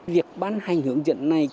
việc ban hành hướng dẫn này